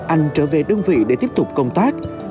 anh trở về đơn vị để tiếp tục công tác